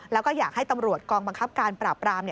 แล้วก็อยากให้ตำรวจกองบังคับการปราบราม